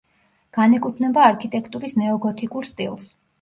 განეკუთვნება არქიტექტურის ნეოგოთიკურ სტილს.